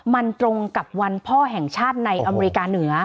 มันตรงกับวันพ่อแห่งชาติในอเมริกาเหนือ